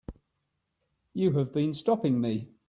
You have been stopping me.